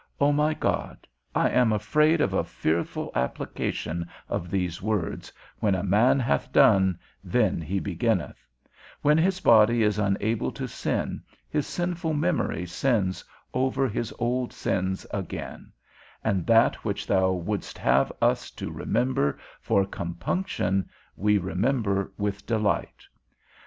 O my God, I am afraid of a fearful application of those words, When a man hath done, then he beginneth; when this body is unable to sin, his sinful memory sins over his old sins again; and that which thou wouldst have us to remember for compunction, we remember with delight.